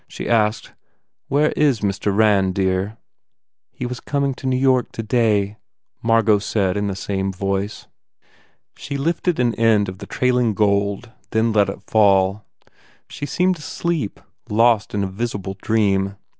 She asked, "Where is Mr. Rand, dear?" "He was coming to New York today," Margot said in the same voice. She lifted an end of the trailing gold, then let it fall. She seemed asleep, lost in a visible dream.